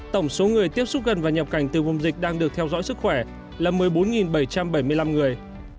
tổng số người tiếp xúc gần và nhập cảnh từ vùng dịch đang được theo dõi sức khỏe là một mươi bốn bảy trăm bảy mươi năm người